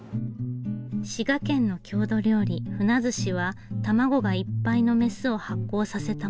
滋賀県の郷土料理ふなずしは卵がいっぱいの雌を発酵させたもの。